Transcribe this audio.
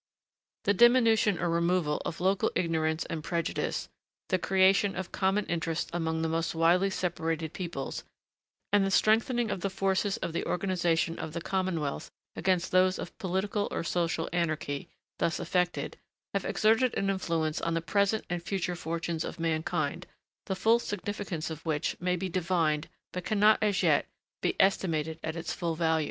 The diminution or removal of local ignorance and prejudice, the creation of common interests among the most widely separated peoples, and the strengthening of the forces of the organisation of the commonwealth against those of political or social anarchy, thus effected, have exerted an influence on the present and future fortunes of mankind the full significance of which may be divined, but cannot, as yet, be estimated at its full value.